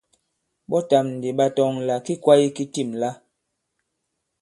Ɓɔtàm ndì ɓa tɔŋ àlà ki kwāye ki tîm la.